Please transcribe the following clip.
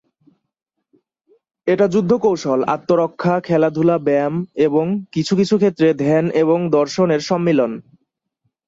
এটা যুদ্ধ কৌশল, আত্মরক্ষা, খেলাধুলা, ব্যায়াম, এবং কিছু কিছু ক্ষেত্রে ধ্যান এবং দর্শনের সম্মিলন।